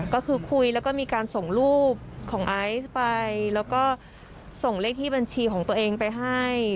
ก็คือคุยแล้วก็มีการส่งรูปของไอซ์ไปแล้วก็ส่งเลขที่บัญชีของตัวเองไปให้